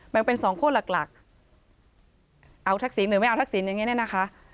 มันเป็นสองคั่วหลักหลักเอาทักษิณหรือไม่เอาทักษิณอย่างนี้เนี่ยนะคะ